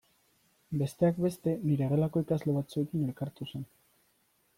Besteak beste nire gelako ikasle batzuekin elkartu zen.